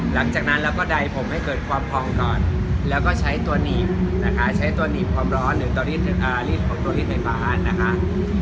หลังจากนั้นเราก็ได้ผมให้เกิดความพองก่อนแล้วก็ใช้ตัวหนีบความร้อนหรือตัวรีดในปลา